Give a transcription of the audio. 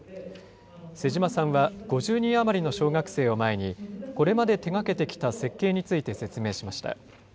妹島さんは５０人余りの小学生を前に、これまで手がけてきた設計について説明しました。